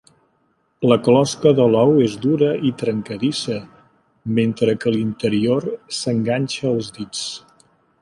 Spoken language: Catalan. La closca de l'ou és dura i trencadissa, mentre que l'interior s'enganxa als dits.